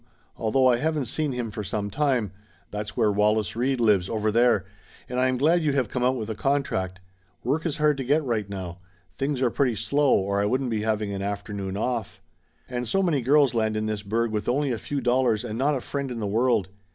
"Al though I haven't seen him for some time that's where Wallace Reid lives, over there and I am glad you have come out with a contract. Work is hard to get right now. Things are pretty slow, or I wouldn't be having an afternoon off. And so many girls land in this burg with only a few dollars and not a friend in the world.